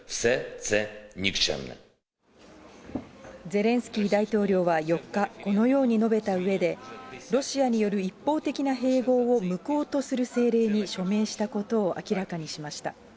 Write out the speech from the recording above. ゼレンスキー大統領は４日、このように述べたうえで、ロシアによる一方的な併合を無効とする政令に署名したことを明らかにしました。